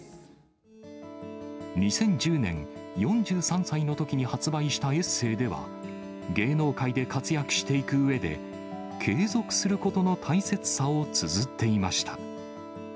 ２０１０年、４３歳のときに発売したエッセーでは、芸能界で活躍していくうえで、継続することの大切さをつづっていました。